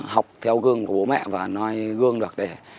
học theo gương bố mẹ và nói gương được để